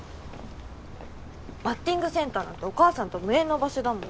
バッティングセンターなんてお母さんと無縁の場所だもん。